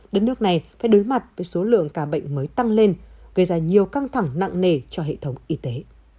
đất nước này phải đối mặt với số lượng ca bệnh mới tăng lên gây ra nhiều căng thẳng nặng nề cho hệ thống y tế